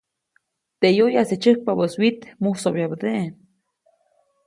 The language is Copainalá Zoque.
Teʼ yoyase tysäjkpabäʼis wyit, musobyabädeʼe.